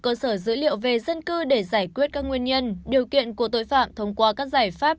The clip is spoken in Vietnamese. cơ sở dữ liệu về dân cư để giải quyết các nguyên nhân điều kiện của tội phạm thông qua các giải pháp